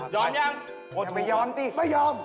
ยอมยังไม่ยอม